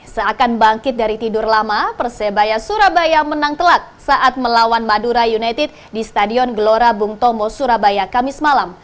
seakan bangkit dari tidur lama persebaya surabaya menang telak saat melawan madura united di stadion gelora bung tomo surabaya kamis malam